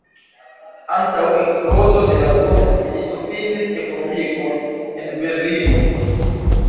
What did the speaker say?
Antaŭ eksplodo de la dua mondmilito finis ekonomikon en Berlino.